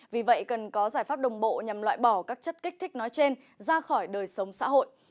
vì vậy cần có giải pháp đồng bộ nhằm loại bỏ các chất kích thích nói trên ra khỏi đời sống xã hội